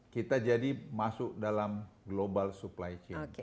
kita jadi masuk dalam global supply chain